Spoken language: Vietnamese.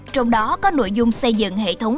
trong đó có nội dung xây dựng hệ thống